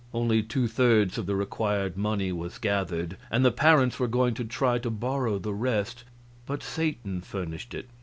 Only two thirds of the required money was gathered, and the parents were going to try to borrow the rest, but Satan furnished it.